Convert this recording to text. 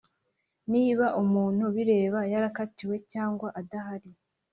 niba umuntu bireba yarakatiwe cyangwa adahari